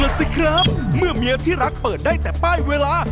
สิครับเมื่อเมียที่รักเปิดได้แต่ป้ายเวลา